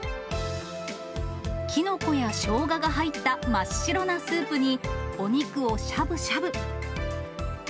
きのこやしょうがが入った真っ白なスープに、お肉をしゃぶしゃぶ。